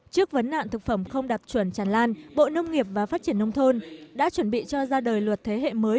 trước vấn nạn thực phẩm không đạt chuẩn tràn lan bộ nông nghiệp và phát triển nông thôn đã chuẩn bị cho ra đời luật thế hệ mới